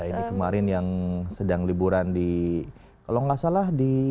ini kemarin yang sedang liburan di kalau nggak salah di